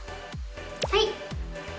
はい。